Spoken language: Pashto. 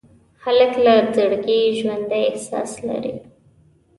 هلک له زړګي ژوندي احساس لري.